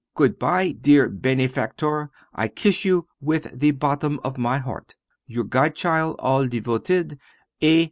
Goobye, dear benefactor, I kiss you with the bottom of my heart Your godchild all devoted, A.